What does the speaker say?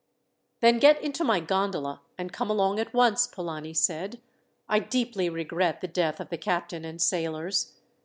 "Then get into my gondola, and come along at once," Polani said. "I deeply regret the death of the captain and sailors.